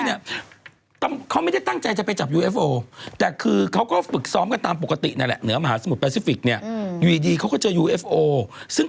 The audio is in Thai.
เธอทำไมไม่นั่งอยู่ข้างรถล่ะทำไมรุ่ง